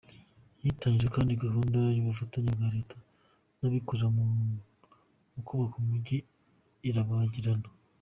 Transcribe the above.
Hatangijwe kandi gahunda y’ubufatanye bwa Leta n’abikorera mu kubaka imijyi irabagirana.